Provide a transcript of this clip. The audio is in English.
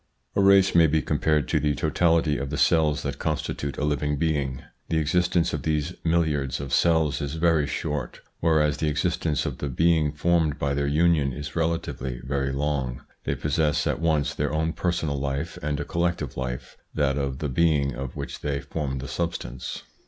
A race may be compared to the totality of the cells that constitute a living being. The existence of these milliards of cells is very short, whereas the existence of the being formed by their union is relatively very long ; they possess at once their own personal life and a collective life, that of the being of which they form the substance.